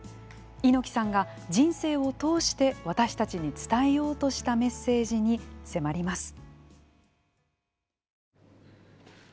猪木さんが人生を通して私たちに伝えようとしたメッセージに迫ります。